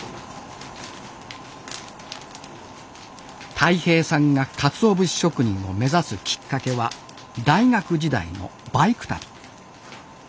泰平さんがかつお節職人を目指すきっかけは大学時代のバイク旅。